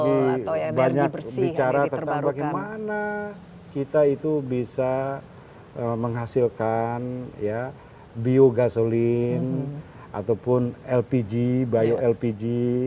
lebih banyak bicara tentang bagaimana kita itu bisa menghasilkan biogasolin ataupun lpg bio lpg